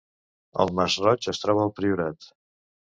El Masroig es troba al Priorat